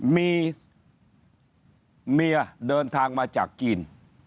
มีเมียเดินทางมาจากจีน